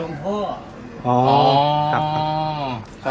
นี่มันครับ